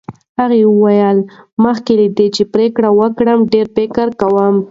هغې وویل، مخکې له دې چې پرېکړه وکړم ډېر فکر کوم.